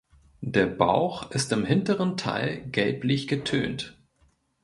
Der Bauch ist im hinteren Teil gelblich getönt.